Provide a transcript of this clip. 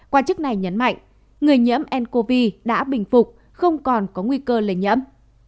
quan chức này nhấn mạnh người nhiễm ncov đã bình phục không còn có nguy cơ lây nhiễm